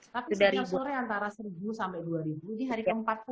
tapi setiap sore antara rp satu rp dua di hari ke empat puluh